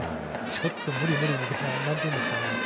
ちょっと無理無理みたいになってるんですかね。